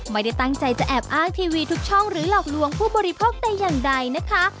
ไม่ได้ตั้งใจจะแอบอ้างทีวีทุกช่องหรือหลอกลวงผู้บริโภคแต่อย่างใดนะคะ